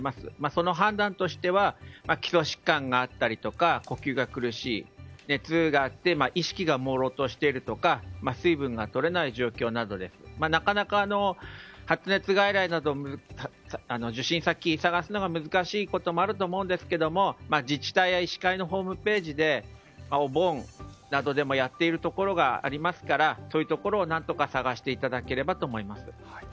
その判断としては基礎疾患があったり呼吸が苦しい、熱があって意識がもうろうとしているとか水分が取れない状況などでなかなか発熱外来などで受診先を探すことが難しいこともあると思うんですが自治体や医師会のホームページでお盆などでもやっているところがありますからそういうところを何とか探していただければと思います。